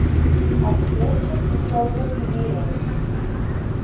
Alciete de Souza Figueiredo